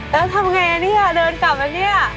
แล้วทำไงเนี่ยเดินกลับแล้วเนี่ย